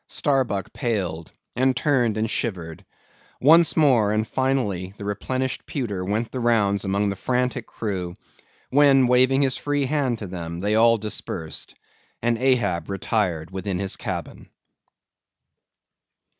Starbuck paled, and turned, and shivered. Once more, and finally, the replenished pewter went the rounds among the frantic crew; when, waving his free hand to them, they all dispersed; and Ahab retired within his cabin.